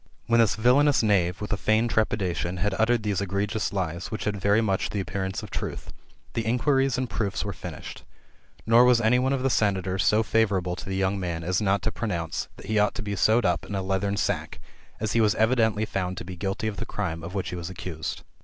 When this villanous knave, with a feigned trepidation, had uttered these egregious lies, which had very much the appearance of truth, the inquiries and proofs were finished. Nor was any one of the senators so favourable to the young man, as not to pronounce, that he ought to be sewed up in a leathern sack, as he was evidently found to be guilty of the crime of which he was accused.